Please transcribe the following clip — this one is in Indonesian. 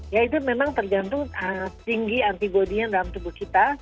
ya itu memang tergantung tinggi antibody nya dalam tubuh kita